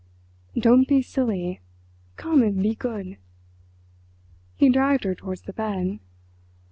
"Don't be silly—come and be good!" He dragged her towards the bed.